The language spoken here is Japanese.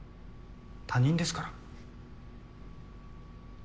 他人ですから。